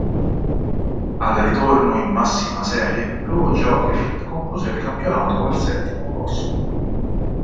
Al ritorno in massima serie lo Jokerit concluse il campionato al settimo posto.